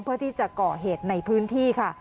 เพื่อที่จะก่อเหตุในพื้นที่ค่ะ